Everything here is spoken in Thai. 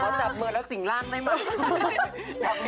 ขอจับมือแล้วสิ่งล่างได้มั้ย